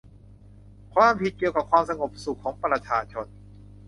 ความผิดเกี่ยวกับความสงบสุขของประชาชน